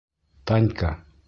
Танька!